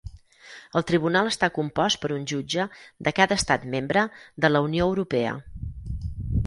El tribunal està compost per un jutge de cada Estat membre de la Unió Europea.